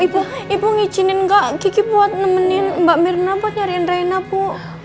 ibu ibu ngicinin gak kiki buat nemenin mbak mirna buat nyariin renna bu